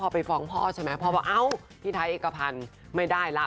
แล้วพอไปฟ้องพ่อใช่ไหมพ่อบอกท้ายเอกพันธุ์ไม่ได้ละ